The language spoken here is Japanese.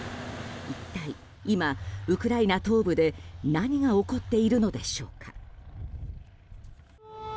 一体、今ウクライナ東部で何が起こっているのでしょうか。